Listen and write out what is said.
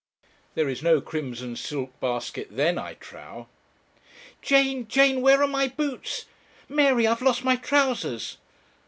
There is no crimson silk basket then, I trow. 'Jane, Jane, where are my boots?' 'Mary, I've lost my trousers!'